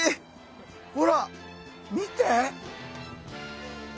ほら見て！